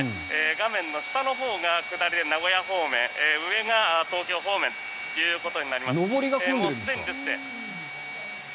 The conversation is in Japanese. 画面の下のほうが下りで名古屋方面上が東京方面となります。